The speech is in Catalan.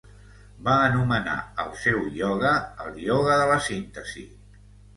Va anomenar el seu ioga "El ioga de la síntesi".